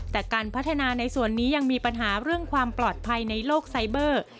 แต่การพัฒนาในส่วนนี้ยังมีปัญหาเรื่องความปลอดภัยในโลกไซเบอร์